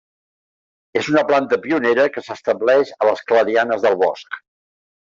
És una planta pionera que s'estableix a les clarianes del bosc.